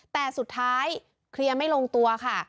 แต่สุดท้ายเคลียร์ไม่ลงตัวค่ะ